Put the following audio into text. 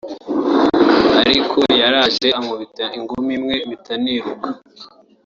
ariko yaraje ankubita ingumi imwe mpita niruka